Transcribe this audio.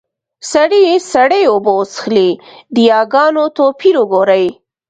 سړي سړې اوبۀ وڅښلې . د ياګانو توپير وګورئ!